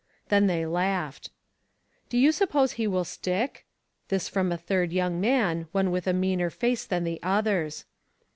Then they laughed. " Do you suppose he will stick ?" This from a third young man, one with a meaner face than the others.